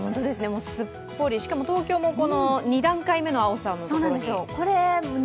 すっぽり、しかも東京も２段階目の青さのところに。